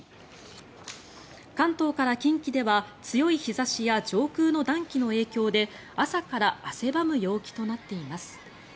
関東から近畿では強い日差しや上空の暖気の影響で朝から汗ばむ陽気となっています。